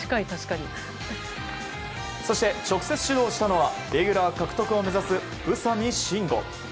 そして直接、指導したのはレギュラー獲得を目指す宇佐見真吾。